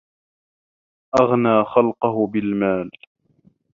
أَغْنَى خَلْقَهُ بِالْمَالِ